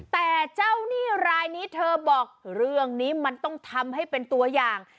แต่เจ้าหนี้รายนี้เธอบอกเรื่องนี้มันต้องทำให้เป็นตัวอย่าง